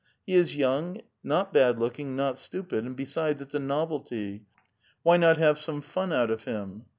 " He is young, not bad looking, not stupid, and besides it's a novelty. Why not have some fun out of him?